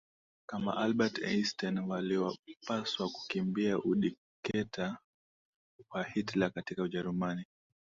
kama Albert Einstein waliopaswa kukimbia udiketa wa Hitler katika Ujerumani